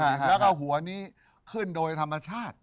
แล้วก็หัวนี้ขึ้นโดยธรรมชาติ